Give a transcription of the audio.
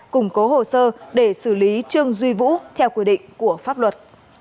củng cố hồ sơ để xử lý trương duy vũ theo quy định của pháp luật